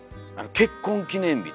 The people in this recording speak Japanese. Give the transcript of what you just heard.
結婚記念日と。